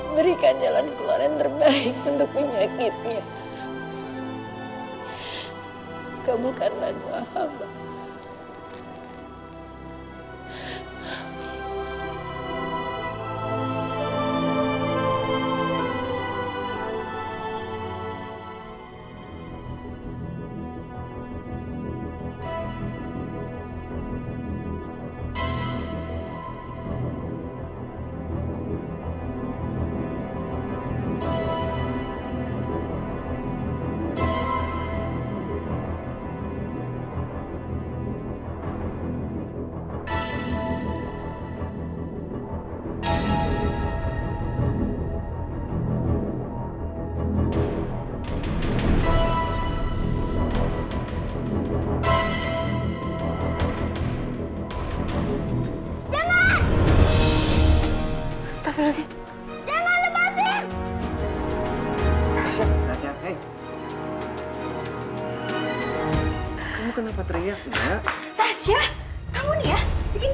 segera pertemukanlah kami